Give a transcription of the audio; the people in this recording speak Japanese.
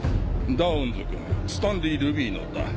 ダウンズくんスタンディ・ルビーノだ。